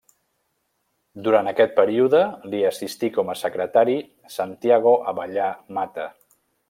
Durant aquest període li assistí com a Secretari Santiago Abellà Mata.